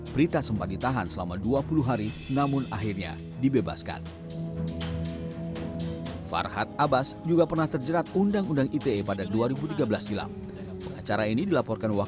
berita sempat ditahan selama dua bulan